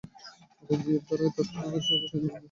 হৃদয়ের দ্বারাই ভগবৎসাক্ষাৎকার হয়, বুদ্ধি দ্বারা নয়।